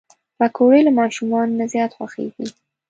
پکورې له ماشومانو نه زیات خوښېږي